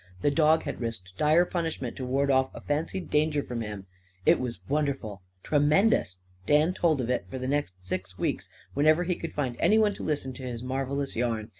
The dog had risked dire punishment to ward off a fancied danger from him. It was wonderful tremendous! Dan told of it, for the next six weeks, whenever he could find anyone to listen to his marvellous yarn.